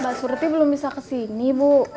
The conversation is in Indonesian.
mbak surti belum bisa kesini bu